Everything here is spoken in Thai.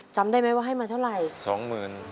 จำได้ไหมว่าให้มาเท่าไหร่